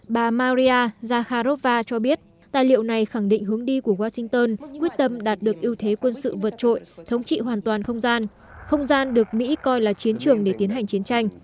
bà maria zakharova cho biết tài liệu này khẳng định hướng đi của washington quyết tâm đạt được ưu thế quân sự vượt trội thống trị hoàn toàn không gian không gian được mỹ coi là chiến trường để tiến hành chiến tranh